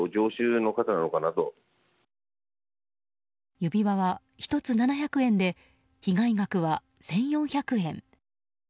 指輪は１つ７００円で被害額は１４００円。